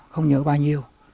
không nhớ bao nhiêu